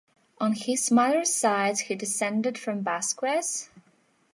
On his mother's side he descended from Basques.